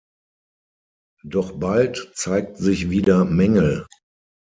Doch bald zeigten sich wieder Mängel.